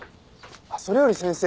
それより先生。